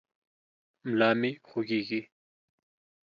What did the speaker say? ملا مې خوږېږي.